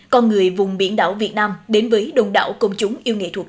con người vùng biển đảo việt nam đến với đồng đảo công chúng yêu nghệ thuộc